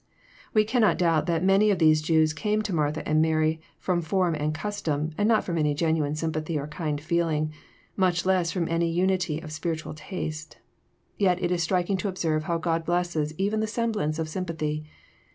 We cannot doubt that many of these Jews came to Martha and Mary fk'om form and custom, and not ttom. any genuine sympathy or kind feeling, much less from any unity of spiritual taste. Yet it is striking to observe how God blesses even the semblance of sympathy.